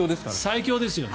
最強ですよね。